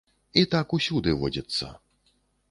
І так усюды водзіцца.